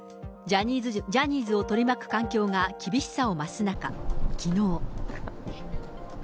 ジャニーズを取り巻く環境が厳しさを増す中、きのう。